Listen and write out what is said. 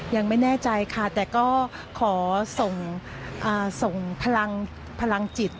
ยังไม่แน่ใจค่ะแต่ก็ขอส่งพลังจิต